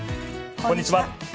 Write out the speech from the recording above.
こんにちは。